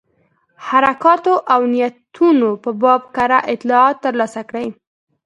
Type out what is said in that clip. حرکاتو او نیتونو په باب کره اطلاعات ترلاسه کړي.